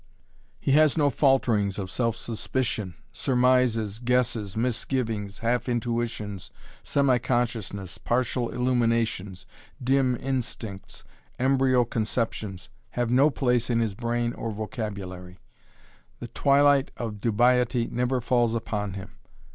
He has no falterings of self suspicion. Surmises, guesses, misgivings, half intuitions, semiconsciousness, partial illuminations, dim instincts, embryo conceptions, have no place in his brain or vocabulary. The twilight of dubiety never falls upon him.